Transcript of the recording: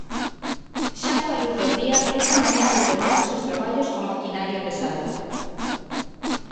Xa coa luz do día, esta mañá retomáronse os traballos con maquinaria pesada.